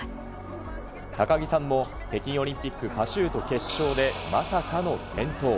高木さんも、北京オリンピック、パシュート決勝でまさかの転倒。